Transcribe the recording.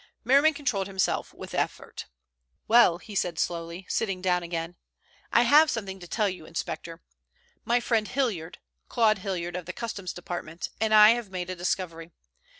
Merriman controlled himself with an effort. "Well," he said slowly, sitting down again, "I have something to tell you, inspector. My friend Hilliard—Claud Hilliard of the Customs Department—and I have made a discovery.